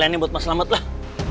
ini buat mas selamat lah